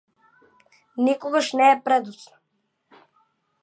Никогаш не е предоцна.